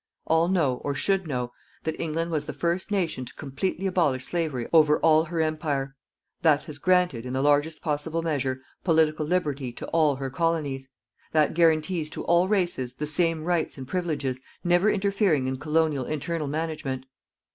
All know, or should know, that England was the first nation to completely abolish slavery over all her Empire; that has granted, in the largest possible measure, Political Liberty to all her Colonies; that guarantees to all races the same rights and privileges, never interfering in colonial internal management.